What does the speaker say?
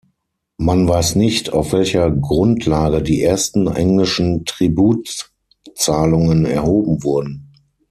Man weiß nicht, auf welcher Grundlage die ersten englischen Tributzahlungen erhoben wurden.